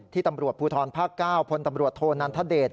ที่ตำรวจภูทรภาคเกล้าพลตำรวจโทนันทเดช